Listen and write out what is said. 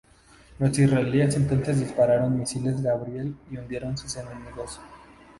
Los israelíes entonces dispararon misiles Gabriel y hundieron sus enemigos.